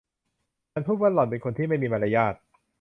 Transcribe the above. ฉันพูดว่า หล่อนเป็นคนที่ไม่มีมารยาท